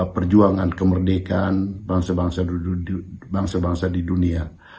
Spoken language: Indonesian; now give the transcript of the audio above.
perjuangan kemerdekaan bangsa bangsa di dunia